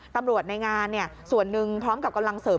ในงานส่วนหนึ่งพร้อมกับกำลังเสริม